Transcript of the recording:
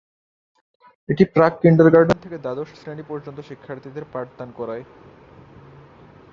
এটি প্রাক কিন্ডারগার্টেন থেকে দ্বাদশ শ্রেণী পর্যন্ত শিক্ষার্থীদের পাঠদান করায়।